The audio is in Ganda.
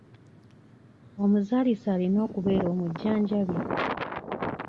Omuzaalisa alina okubeera omujjanjabi?